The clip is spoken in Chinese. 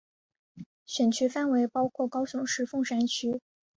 选区范围包括高雄市凤山区。